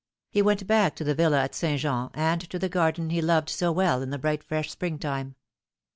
He went back to the villa at St. Jean, and to the garden he had loved so well in the bright fresh spring time.